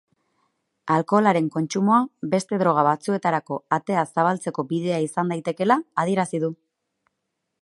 Alkoholaren kontsumoa beste droga batzuetarako atea zabaltzeko bidea izan daitekeela adierazi du.